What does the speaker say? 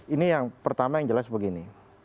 ini yang pertama yang jelas begini